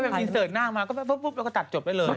มีเสิร์ฟนางมาแล้วก็ตัดจบได้เลย